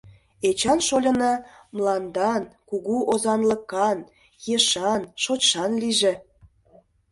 — Эчан шольына мландан, кугу озанлыкан, ешан, шочшан лийже!